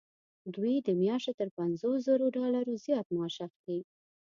دوی د میاشتې تر پنځوس زرو ډالرو زیات معاش اخلي.